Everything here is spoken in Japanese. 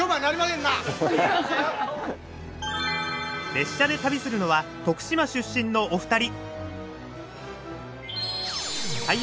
列車で旅するのは徳島出身のお二人。